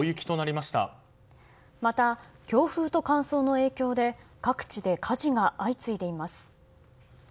また、強風と乾燥の影響で各地で火事が相次いでいます。